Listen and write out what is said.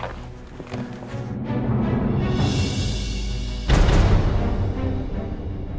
di tempat tidak apapun